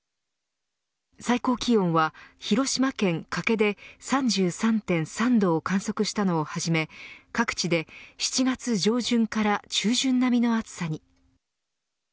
最高気温は広島県加計で３３．３度を観測したのをはじめ各地で７月上旬から中旬並みの暑さに。